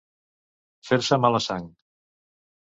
Fer-se mala sang.